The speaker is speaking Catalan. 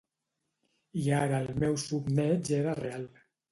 I ara el meu somneig era real.